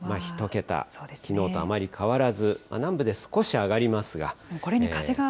１桁、きのうとあまり変わらず、南部で少し上がりますが。